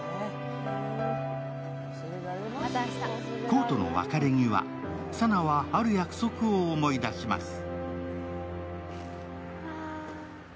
功との別れ際、佐奈はある約束を思い出します。